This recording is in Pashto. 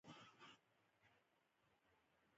بډایه هلکان د کارګرو جامې اغوندي.